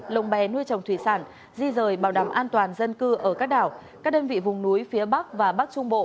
lồng bé nuôi trồng thủy sản di rời bảo đảm an toàn dân cư ở các đảo các đơn vị vùng núi phía bắc và bắc trung bộ